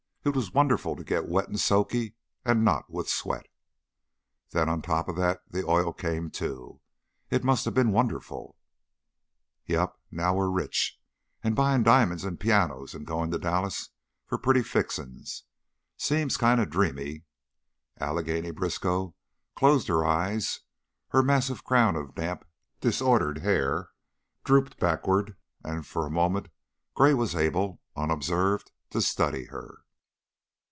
It was wonderful, to get all wet and soaky, and not with sweat." "Then on top of that the oil came, too. It must have been wonderful." "Yep. Now we're rich. And buyin' di'mon's and pianos and goin' to Dallas for pretty fixin's. Seems kinda dreamy." Allegheny Briskow closed her eyes, her massive crown of damp, disordered hair drooped backward and for a moment Gray was able, unobserved, to study her.